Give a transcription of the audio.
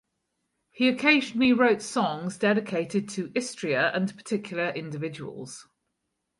He occasionally wrote songs dedicated to Istria and particular individuals.